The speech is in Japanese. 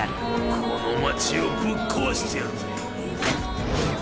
この街をぶっ壊してやるぜ！